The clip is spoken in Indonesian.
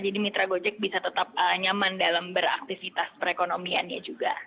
jadi mitra gojek bisa tetap nyaman dalam beraktivitas perekonomiannya juga